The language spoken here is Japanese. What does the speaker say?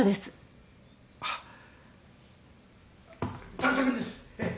代田君ですええ。